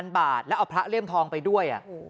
บาทแล้วเอาพระเลี่ยมทองไปด้วย